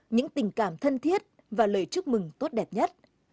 những tình cảm thân thiết và lời chúc mừng tốt đẹp nhất